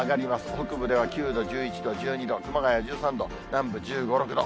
北部では９度、１１度、１２度、熊谷１３度、南部１５、６度。